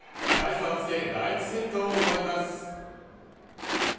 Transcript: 大差をつけ第１セットを奪います。